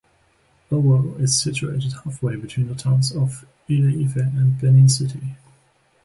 Owo is situated halfway between the towns of Ile Ife and Benin City.